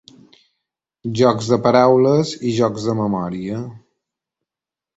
Jocs de paraules i jocs de memòria.